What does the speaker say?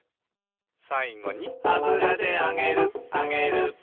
「さいごに」「あぶらであげるあげる」